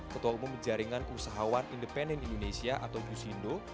ketua umum jaringan usahawan independen indonesia atau gusindo